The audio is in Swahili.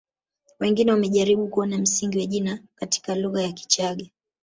Wengine wamejaribu kuona msingi wa jina katika lugha ya Kichagga